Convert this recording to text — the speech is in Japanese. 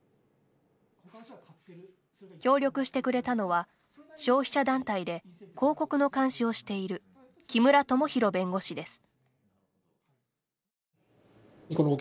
協力してくれたのは消費者団体で広告の監視をしている木村智博弁護士です。